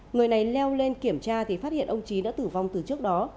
người này leo lên kiểm tra thì phát hiện ông trí đã tử vong từ trước đó